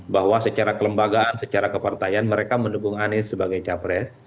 bahwa secara kelembagaan secara kepartaian mereka mendukung anies sebagai capres